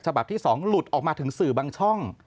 ฉบับที่๒หลุดออกมาถึงสื่อบางช่อง